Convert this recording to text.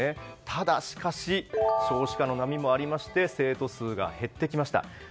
ただ、しかし少子化の波もありまして生徒数が減ってきました。